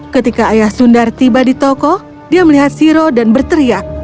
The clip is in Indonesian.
ketika ayah sundar tiba di toko dia melihat siro dan berteriak